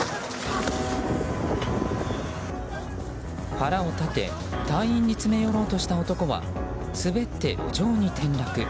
腹を立て隊員に詰め寄ろうとした男は滑って、路上に転落。